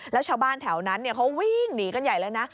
แล้วชาวบ้านแถวนั้นเขาวิ่งหนีกันใหญ่เลยนะ